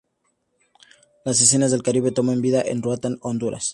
Las escenas del Caribe toman vida en Roatán, Honduras.